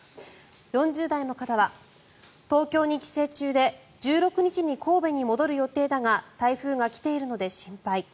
４０代の方は東京に帰省中で１６日に神戸に戻る予定だが台風が来ているので心配。